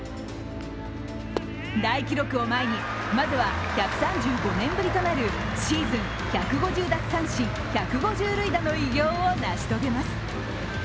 大記録を前にまずは１３５年ぶりとなるシーズン１５０奪三振・１５０塁打の偉業を成し遂げます。